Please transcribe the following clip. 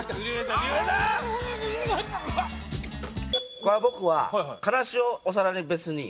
これは僕はからしをお皿に別に。